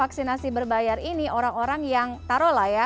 vaksinasi berbayar ini orang orang yang taruhlah ya